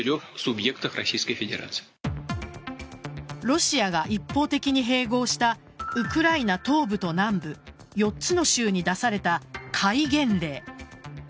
ロシアが一方的に併合したウクライナ東部と南部４つの州に出された戒厳令。